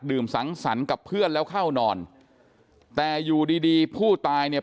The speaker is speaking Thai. สังสรรค์กับเพื่อนแล้วเข้านอนแต่อยู่ดีดีผู้ตายเนี่ย